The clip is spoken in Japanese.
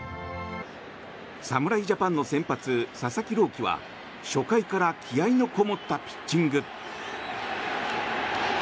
侍ジャパンの先発、佐々木朗希は初回から気合のこもったピッチング。